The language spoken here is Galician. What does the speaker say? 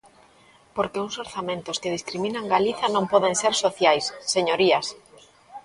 Porque uns orzamentos que discriminan Galiza non poden ser sociais, señorías.